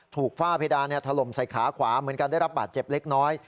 ฝ้าเพดานถล่มใส่ขาขวาเหมือนกันได้รับบาดเจ็บเล็กน้อย